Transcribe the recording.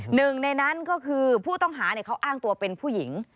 หนึ่งในนั้นก็คือผู้ต้องหาเขาอ้างตัวเป็นผู้หญิง